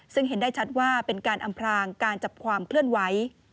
ซึ่งเห็นได้ชัดว่าเป็นการอำพลางการจับความเคลื่อนไหว